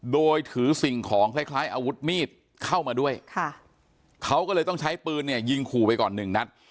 โดยถือสิ่งของคล้ายคล้ายอาวุธมีดเข้ามาด้วยค่ะเขาก็เลยต้องใช้ปืนเนี่ยยิงขู่ไปก่อนหนึ่งนัด